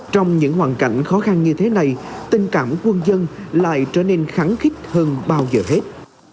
trong những hoàn cảnh khó khăn như thế này tình cảm quân dân lại trở nên kháng khích hơn bao giờ hết